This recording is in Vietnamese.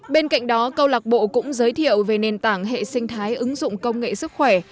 bên cạnh đó câu lạc bộ cũng giới thiệu về nền tảng hệ sinh thái ứng dụng công nghệ sức khỏe